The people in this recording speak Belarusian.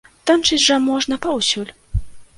Танчыць жа можна паўсюль.